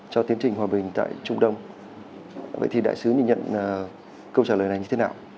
cho tiến trình hòa bình tại trung đông vậy thì đại sứ mình nhận câu trả lời này như thế nào